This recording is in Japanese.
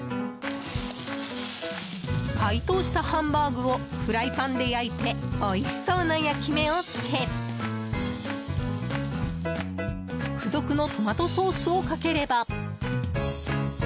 解凍したハンバーグをフライパンで焼いておいしそうな焼き目をつけ付属のトマトソースをかければ。